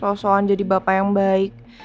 persoalan jadi bapak yang baik